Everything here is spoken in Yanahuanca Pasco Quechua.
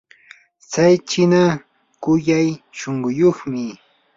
tsay chiina kuyay shunquyuqmi.